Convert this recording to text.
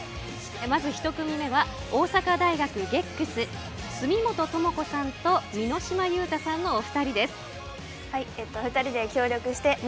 まず１組目は大阪大学ＧＥＣＳ炭本智子さんと箕島佑太さんのお二人です。